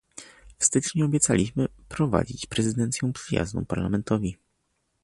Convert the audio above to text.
W styczniu obiecaliśmy prowadzić prezydencję przyjazną Parlamentowi